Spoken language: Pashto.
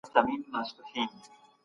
د جبري ځان وژني قربانيان څوک دي؟